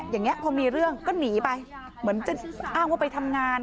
อย่างนี้พอมีเรื่องก็หนีไปเหมือนจะอ้างว่าไปทำงาน